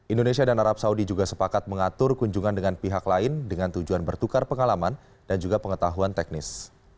indonesia dan arab saudi juga sepakat mengatur kunjungan dengan pihak lain dengan tujuan bertukar pengalaman dan juga pengetahuan teknis